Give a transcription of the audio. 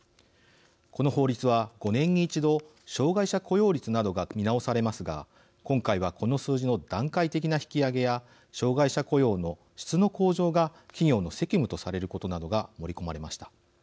この法律は５年に一度障害者雇用率などが見直されますが今回はこの数字の段階的な引き上げや障害者雇用の質の向上が企業の責務とされることなどが盛り込まれました。